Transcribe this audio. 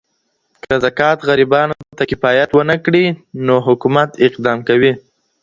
که زکات غریبانو ته کفایت ونه کړي نو حکومت اقدام کوي.